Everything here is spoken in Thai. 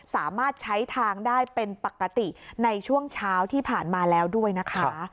สามารถใช้ทางได้เป็นปกติในช่วงเช้าที่ผ่านมาแล้วด้วยนะคะ